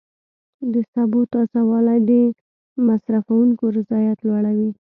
د سبو تازه والی د مصرفونکو رضایت لوړوي.